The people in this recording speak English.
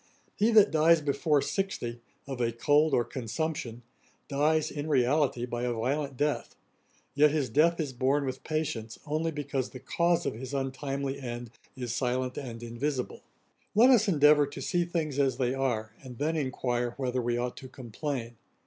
He that dies before sixty, of a cold or consumption, dies, in reality, by a violent death; yet his death is borne with patience only because the cause of his untimely end is silent and invisible. Let us endeavour to see things as they are, and then enquire whether we ought to complain.